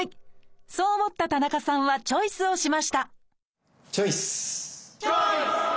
そう思った田中さんはチョイスをしましたチョイス！